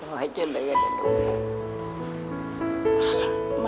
ขอให้เจ้าเรียนละดูนะ